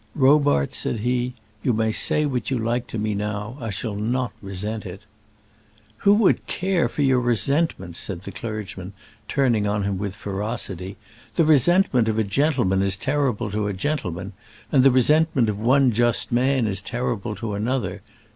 "Robarts," said he, "you may say what you like to me now; I shall not resent it." "Who would care for your resentment?" said the clergyman, turning on him with ferocity. "The resentment of a gentleman is terrible to a gentleman; and the resentment of one just man is terrible to another.